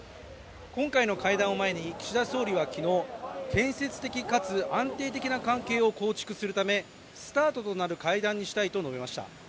今回の会談を前に岸田総理は昨日、建設的かつ安定的な関係を構築するためスタートとなる会談にしたいと述べました。